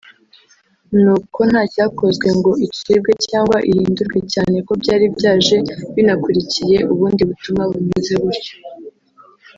ni uko nta cyakozwe ngo icibwe cyangwa ihindurwe cyane ko byari byaje binakurikiye ubundi butumwa bumeze gutyo